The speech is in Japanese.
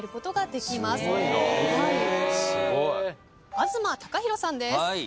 東貴博さんです。